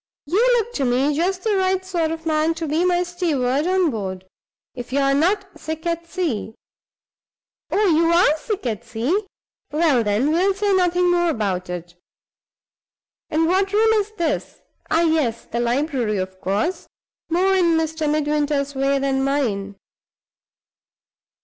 You look to me just the right sort of man to be my steward on board. If you're not sick at sea oh, you are sick at sea? Well, then, we'll say nothing more about it. And what room is this? Ah, yes; the library, of course more in Mr. Midwinter's way than mine.